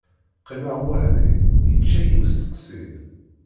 Qqimeɣ weḥd-i, yečča-yi usteqsi.